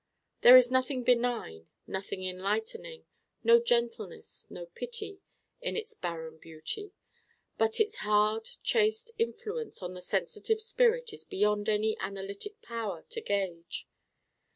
There is nothing benign, nothing enlightening no gentleness, no pity in its barren beauty. But its hard chaste influence on the sensitive spirit is beyond any analytic power to gauge.